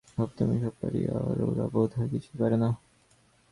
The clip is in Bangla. ভাবত আমি সব পারি, আর ওরা বোধ হয় কিছুই পারে না।